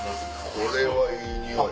これはいい匂い。